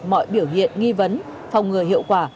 mọi biểu hiện nghi vấn phòng người hiệu quả